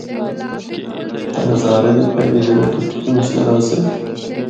تے ہزارے دے پہلے جڑّے ڈپٹی کشمنر آسے۔